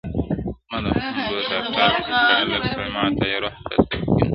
زما د مرحوم دوست ډاکټر قادرسلیمان عطایي روح ته تقدیم دی!!